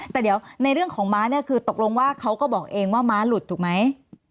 แต่เดี๋ยวในเรื่องของม้าเนี่ยคือตกลงว่าเขาก็บอกเองว่าม้าหลุดถูกไหม